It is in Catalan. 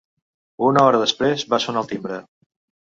Una hora després, va sonar el timbre.